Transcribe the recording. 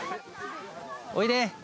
おいで。